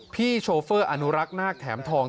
พี่โชเฟอร์อานุรักษ์หน้าแถมทอง